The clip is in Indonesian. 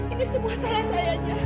ini semua salah sayanya